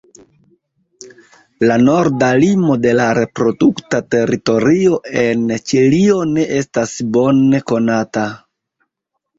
La norda limo de la reprodukta teritorio en Ĉilio ne estas bone konata.